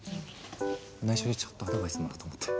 ないしょでちょっとアドバイスもらおうと思って。